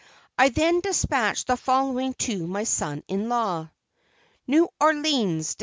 I then dispatched the following to my son in law: NEW ORLEANS, Dec.